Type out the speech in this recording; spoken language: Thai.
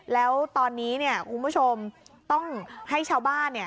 แล้วตอนนี้เนี่ยคุณผู้ชมต้องให้ชาวบ้านเนี่ย